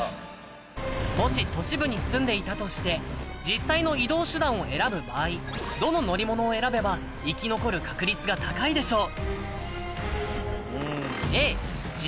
もし都市部に住んでいたとして実際の移動手段を選ぶ場合どの乗り物を選べば生き残る確率が高いでしょう？